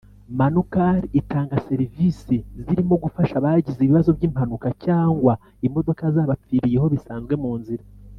Manu-Car’ itanga serivisi zirimo gufasha abagize ibibazo by’impanuka cyangwa imodoka zabapfiriyeho bisanzwe mu nzira